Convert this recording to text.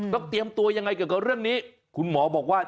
เตรียมตัวยังไงเกี่ยวกับเรื่องนี้คุณหมอบอกว่า